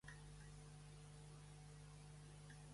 Actualment és entrenador a temps complet a l'Escola Solihull.